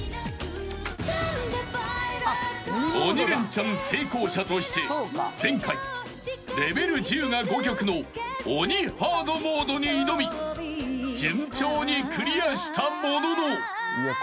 ［鬼レンチャン成功者として前回レベル１０が５曲の鬼ハードモードに挑み順調にクリアしたものの］